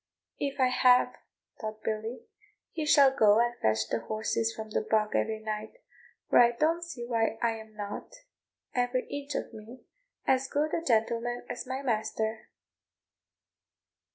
"If I have," thought Billy, "he shall go and fetch the horses from the bog every night; for I don't see why I am not, every inch of me, as good a gentleman as my master."